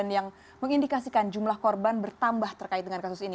yang mengindikasikan jumlah korban bertambah terkait dengan kasus ini